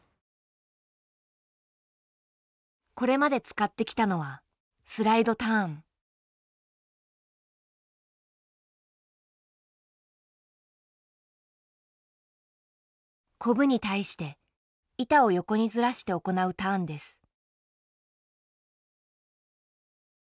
これまで使ってきたのはコブに対して板を横にずらして行うターンです。